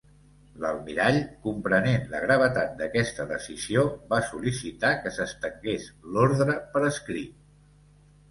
L'almirall, comprenent la gravetat d'aquesta decisió, va sol·licitar que s'estengués l'ordre per escrit.